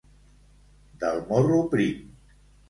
Del morro prim.